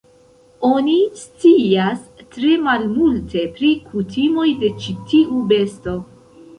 Oni scias tre malmulte pri kutimoj de ĉi tiu besto.